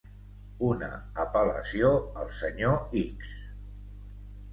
Una apel·lació al Senyor X.